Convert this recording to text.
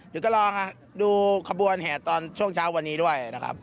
เดี๋ยวก็ลองดูขบวนแห่ตอนช่วงเช้าวันนี้ด้วยนะครับ